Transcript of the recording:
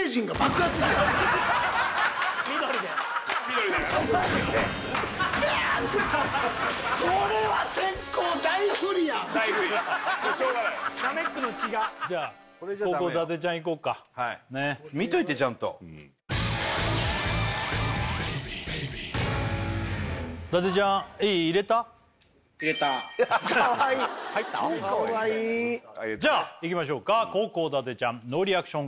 カワイイじゃあいきましょうか後攻伊達ちゃんノーリアクション